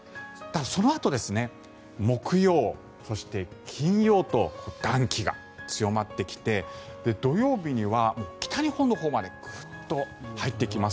そのあと木曜、そして金曜と暖気が強まってきて土曜日には北日本のほうまでグッと入ってきます。